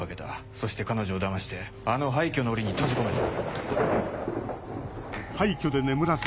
そして彼女をだましてあの廃虚の檻に閉じ込めた。